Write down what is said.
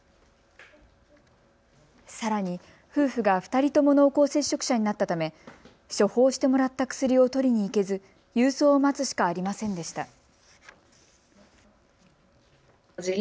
さらに夫婦が２人とも濃厚接触者になったため処方してもらった薬を取りに行けず郵送を待つしかありませんでした。